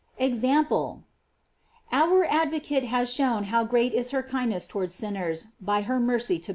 * EXAMPLE. Our advocate has shown how great is her kind ness towards sinners by her mercy to